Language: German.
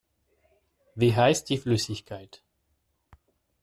Wie heißt die Flüssigkeit?